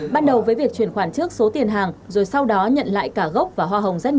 ban đầu với việc chuyển khoản trước số tiền hàng rồi sau đó nhận lại cả gốc và hoa hồng rất nhiều